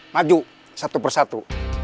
maju satu persatu